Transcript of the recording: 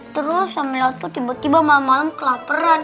terus amalia tuh tiba tiba malem malem kelaperan